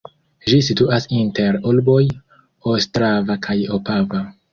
Ĝi situas inter urboj Ostrava kaj Opava.